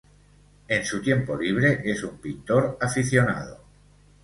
En su tiempo libre es un pintor aficionado.